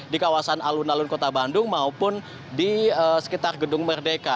dalam kota bandung maupun di sekitar gedung merdeka